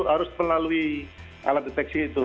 harus melalui alat deteksi itu